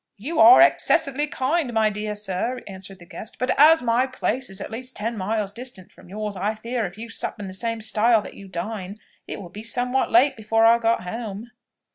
"You are excessively kind, my dear sir!" answered the guest; "but as my place is at least ten miles distant from yours, I fear, if you sup in the same style that you dine, it would be somewhat late before I got home."